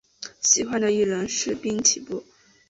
喜欢的艺人是滨崎步。